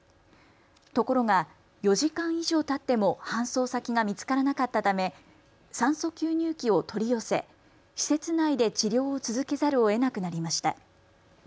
ところが４時間以上たっても搬送先が見つからなかったため酸素吸入器を取り寄せ、施設内で治療を続けざるをえなくなりました。